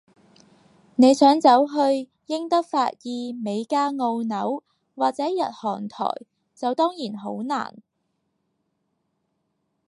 你想走去英德法意美加澳紐，或者日韓台，就當然好難